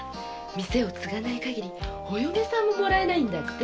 店を継がない限りお嫁ももらえないんだって。